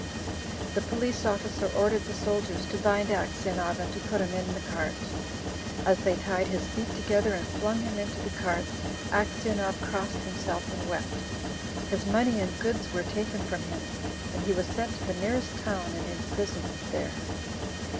The police officer ordered the soldiers to bind Aksionov and to put him in the cart. As they tied his feet together and flung him into the cart, Aksionov crossed himself and wept. His money and goods were taken from him, and he was sent to the nearest town and imprisoned there.